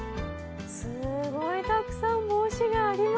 すごいたくさん帽子がありますよ。